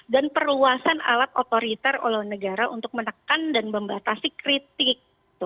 dan perluasan alat otoriter oleh negara untuk menekan dan membatasi kritik